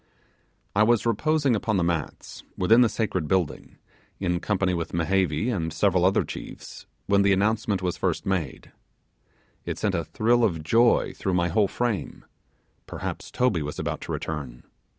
I was reposing upon the mats, within the sacred building, in company with Mehevi and several other chiefs, when the announcement was first made. It sent a thrill of joy through my whole frame; perhaps Toby was about to return.